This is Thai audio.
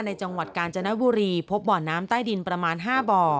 จังหวัดกาญจนบุรีพบบ่อน้ำใต้ดินประมาณ๕บ่อ